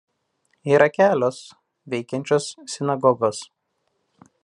Yra kelios veikiančios sinagogos.